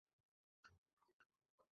বাবা, তোমাকেও অপহরণ অপহরণ খেলা শিখিয়ে দিবো।